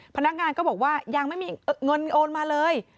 พนักงานก็บอกว่ายังไม่มีเงินโอนมาเลย